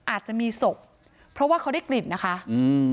อาจจะมีศพเพราะว่าเขาได้กลิ่นนะคะอืม